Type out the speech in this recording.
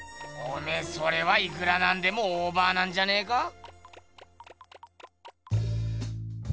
おめえそれはいくらなんでもオーバーなんじゃねえか？